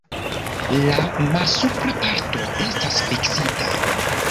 La malsupra parto estas fiksita.